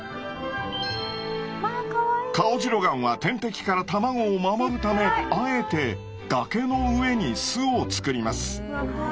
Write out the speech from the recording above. カオジロガンは天敵から卵を守るためあえて崖の上に巣を作ります。